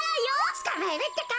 つかまえるってか！